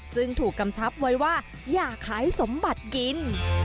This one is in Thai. ซึ่งถูกกำชับไว้ว่าอย่าขายสมบัติกิน